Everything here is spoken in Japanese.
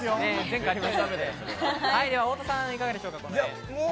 太田さん、いかがでしょうか？